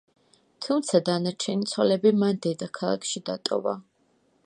თუმცა დანარჩენი ცოლები მან დედაქალაქში დატოვა.